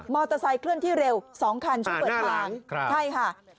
มอเตอร์ไซค์เคลื่อนที่เร็วสองคันช่วยเปิดทาง